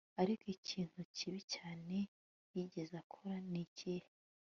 ariko ikintu kibi cyane yigeze akora nikihe